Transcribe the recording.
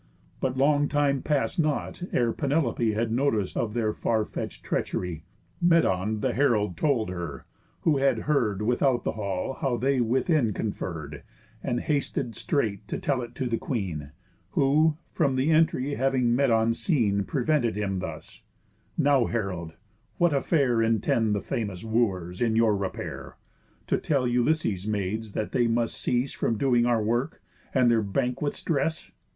But long time past not, ere Penelope Had notice of their far fetch'd treachery. Medon the herald told her, who had heard Without the hall how they within conferr'd, And hasted straight to tell it to the queen, Who, from the entry having Medon seen, Prevents him thus: "Now herald, what affair Intend the famous Wooers, in your repair? To tell Ulysses' maids that they must cease From doing our work, and their banquets dress?